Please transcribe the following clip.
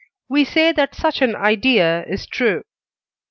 we say that such an idea is true.